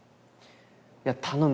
「いや頼む。